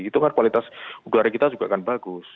itu kan kualitas udara kita juga kan bagus